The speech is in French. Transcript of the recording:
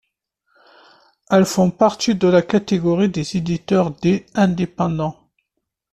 Elles font partie de la catégorie des éditeurs dits indépendants.